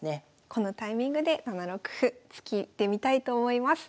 このタイミングで７六歩突いてみたいと思います。